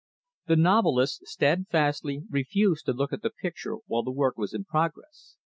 The novelist steadily refused to look at the picture while the work was in progress.